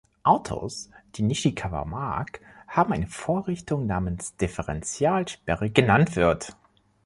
Autos, die Nishikawa mag, haben eine Vorrichtung namens Differentialsperre genannt wird.